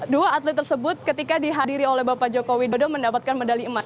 dua atlet tersebut ketika dihadiri oleh bapak joko widodo mendapatkan medali emas